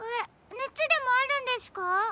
ねつでもあるんですか？